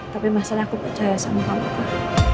tapi masalah aku percaya sama kamu kak